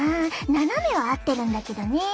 斜めは合ってるんだけどね。